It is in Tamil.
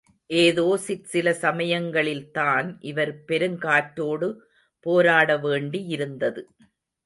ஏதோ சிற்சில சமயங்களில்தான் இவர் பெருங்காற்றோடு போராட வேண்டியிருந்தது.